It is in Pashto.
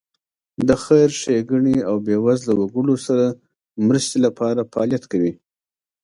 د خیر ښېګڼې او بېوزله وګړو سره مرستې لپاره فعالیت کوي.